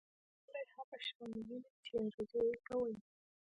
کلی هغه شان ويني چې ارزو یې کوي.